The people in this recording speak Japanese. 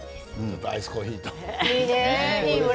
アイスコーヒーと一緒に。